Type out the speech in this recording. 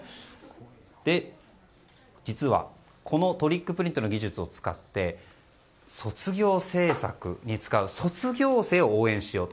実は、このトリックプリントの技術を使って卒業制作に使う卒業生を応援しようと。